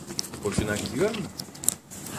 Hoşuna gidiyor mu?